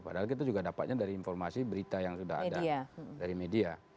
padahal kita juga dapatnya dari informasi berita yang sudah ada dari media